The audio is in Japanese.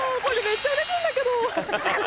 「めっちゃうれしいんだけど」